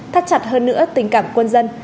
thắt chặt hơn nữa tình cảm quân dân